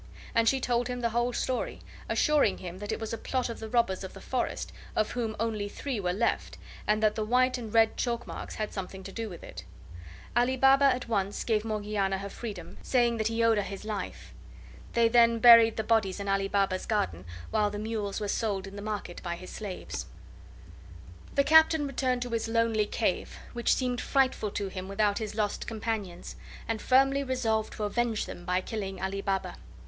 and she told him the whole story, assuring him that it was a plot of the robbers of the forest, of whom only three were left, and that the white and red chalk marks had something to do with it. Ali Baba at once gave Morgiana her freedom, saying that he owed her his life. They then buried the bodies in Ali Baba's garden, while the mules were sold in the market by his slaves. The Captain returned to his lonely cave, which seemed frightful to him without his lost companions, and firmly resolved to avenge them by killing Ali Baba.